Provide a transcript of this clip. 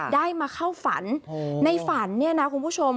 ได้มาเข้าฝันในฝันเนี่ยนะคุณผู้ชม